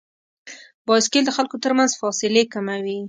بایسکل د خلکو تر منځ فاصلې کموي.